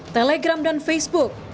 telegram dan facebook